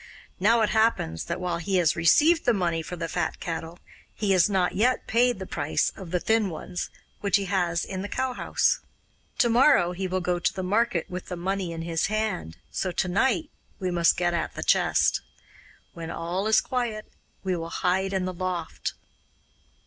Now it happens that, while he has received the money for the fat cattle, he has not yet paid the price of the thin ones, which he has in the cowhouse. To morrow he will go to the market with the money in his hand, so to night we must get at the chest. When all is quiet we will hide in the loft.